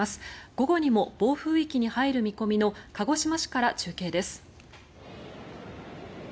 午後にも暴風域に入る見込みの鹿児島市から中継です。